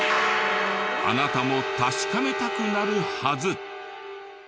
あなたも確かめたくなるはず。